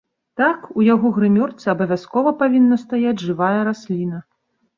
Так, у яго грымёрцы абавязкова павінна стаяць жывая расліна.